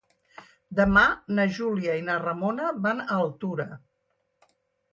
Demà na Júlia i na Ramona van a Altura.